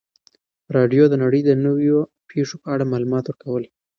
راډیو د نړۍ د نویو پیښو په اړه معلومات ورکول.